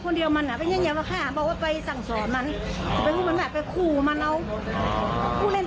เขาเลื่อนฝูงมาอูฟังมากับอูนาวาดโดย